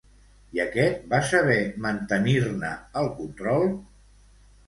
I aquest va saber mantenir-ne el control?